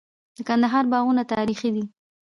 د کندهار باغونه تاریخي دي.